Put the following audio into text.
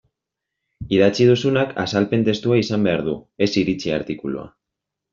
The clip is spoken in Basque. Idatzi duzunak azalpen testua izan behar du, ez iritzi artikulua.